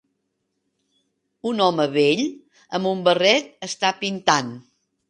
Un home vell amb un barret està pintant